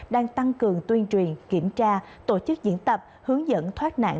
đang tăng cường tuyên truyền kiểm tra tổ chức diễn tập hướng dẫn thoát nạn